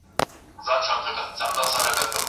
زه هره ورځ کتابونه وړم!!